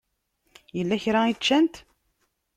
Yella kra i ččant?